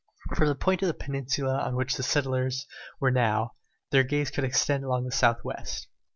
From the point of the peninsula on which the settlers now were their gaze could extend along the south west.